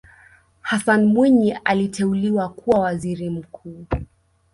hassan mwinyi aliteuliwa kuwa waziri mkuu